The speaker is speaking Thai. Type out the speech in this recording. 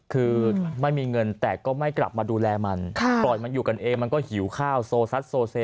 คือไม่มีเงินแต่ก็ไม่กลับมาดูแลมันปล่อยมันอยู่กันเองมันก็หิวข้าวโซซัดโซเซ